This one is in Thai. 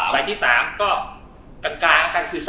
ใบที่๓ก็กลางก็คือเสมอ